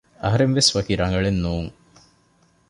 އަހަރެންވެސް ވަކި ރަނގަޅެއް ނޫން